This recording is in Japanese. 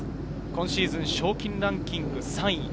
シーズン賞金ランキング３位。